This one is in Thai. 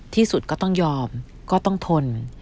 ที่สุดก็ต้องยอมก็ต้องทน